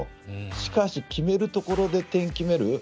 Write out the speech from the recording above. しかし、決めるところで点を決める。